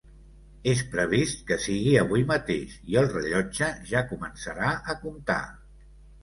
És previst que sigui avui mateix, i el rellotge ja començarà a comptar.